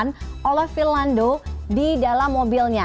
dan disimpan oleh philando di dalam mobilnya